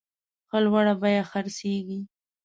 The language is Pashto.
ښه لوړه بیه خرڅیږي.